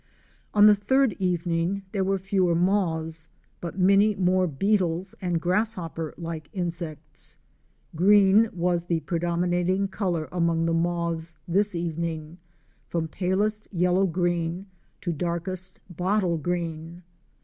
On the third evening there were fewer moths, but many more beetles and grasshopper like insects. Green was the predominating color among the moths this evening — from palest yellow green to darkest bottle green.